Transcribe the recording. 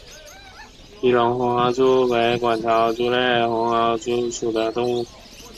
吉隆红螯蛛为管巢蛛科红螯蛛属的动物。